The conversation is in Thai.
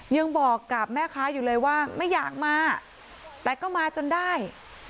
ยังบอกกับแม่ค้าอยู่เลยว่าไม่อยากมาแต่ก็มาจนได้